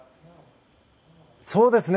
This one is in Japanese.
そうですね。